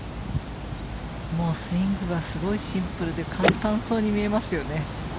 スイングがすごいシンプルで簡単そうに見えますよね。